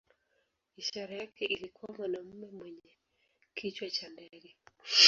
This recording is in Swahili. Ishara yake ilikuwa mwanamume mwenye kichwa cha ndege.